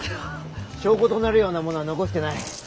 証拠となるようなものは残してない。